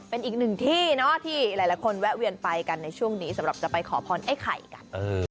เป็นอีกหนึ่งที่เนาะที่หลายคนแวะเวียนไปกันในช่วงนี้สำหรับจะไปขอพรไอ้ไข่กัน